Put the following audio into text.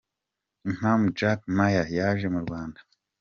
Impamvu Jack Ma yaje mu Rwanda.